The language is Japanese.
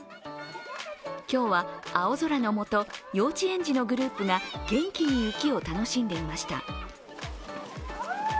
今日は青空の下、幼稚園児のグループが元気に雪を楽しんでいました。